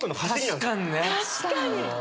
確かにな。